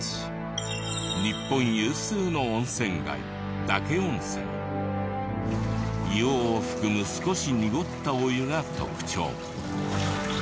日本有数の温泉街硫黄を含む少し濁ったお湯が特徴。